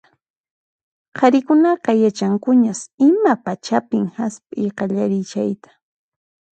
Qharikunaqa yachankuñas ima pachapin hasp'iy qallarin chayta.